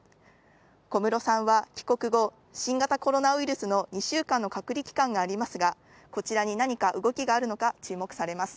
小室さんは帰国後、新型コロナウイルスの２週間の隔離期間がありますがこちらに何か動きがあるのか注目されます。